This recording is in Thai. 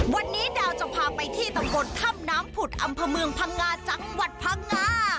วันนี้ดาวจะพาไปที่ตำบลถ้ำน้ำผุดอำเภอเมืองพังงาจังหวัดพังงา